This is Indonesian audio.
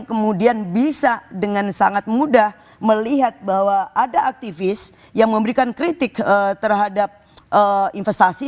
kemudian bisa dengan sangat mudah melihat bahwa ada aktivis yang memberikan kritik terhadap investasi